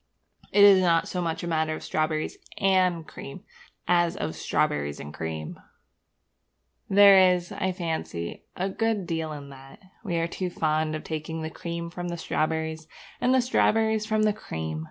It is not so much a matter of strawberries and cream as of strawberriesandcream. There is, I fancy, a good deal in that. We are too fond of taking the cream from the strawberries, and the strawberries from the cream.